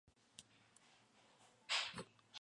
Su doctorado fue en Economía Agrícola.